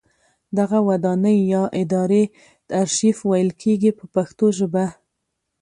دغه ودانۍ یا ادارې ارشیف ویل کیږي په پښتو ژبه.